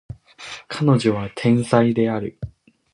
彼女は天才である